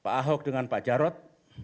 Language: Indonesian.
pak ahok dengan pak jarod